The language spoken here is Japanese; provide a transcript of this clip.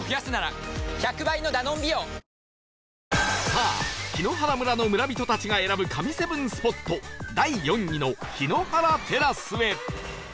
さあ檜原村の村人たちが選ぶ神７スポット第４位のヒノハラテラスへ